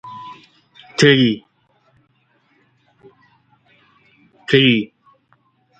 Despite the weather, I have been trying to make the most of my trip.